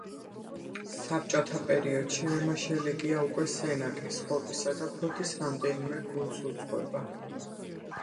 საბჭოთა პერიოდში რემა შელეგია უკვე სენაკის, ხობისა და ფოთის რამდენიმე გუნდს უძღვება.